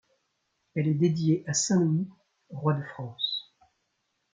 Elle est dédiée à saint Louis, roi de France.